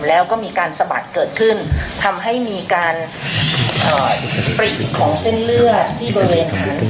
แล้วก็มีการสะบัดเกิดขึ้นทำให้มีการปรีกของเส้นเลือดที่บริเวณขา